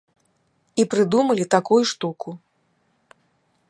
І прыдумалі такую штуку.